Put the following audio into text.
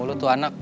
lo tuh anak